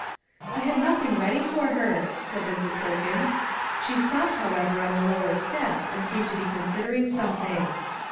" I had nothing ready for her," said Mrs. Perkins. She stopped, however, on the lower step and seemed to be considering something.